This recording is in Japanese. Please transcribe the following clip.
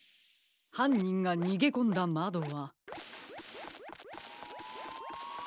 はんにんがにげこんだまどは。